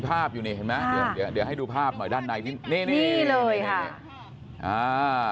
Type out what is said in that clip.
ภาพอยู่นี่เห็นไหมเดี๋ยวให้ดูภาพหน่อยด้านในนี่เลยค่ะ